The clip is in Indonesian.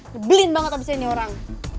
nyebelin banget abis ini orang